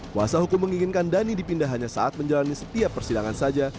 kuasa hukum menginginkan dhani dipindah hanya saat menjalani setiap persidangan saja